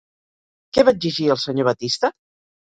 Què va exigir el senyor Batista?